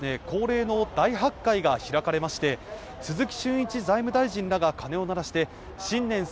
恒例の大発会が開かれまして鈴木俊一財務大臣らが鐘を鳴らして新年